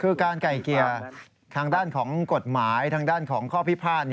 คือการไก่เกลี่ยทางด้านของกฎหมายทางด้านของข้อพิพาท